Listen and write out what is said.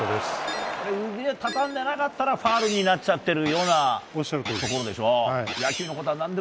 腕を畳んでなかったらファウルになっちゃってるようなところでしょ。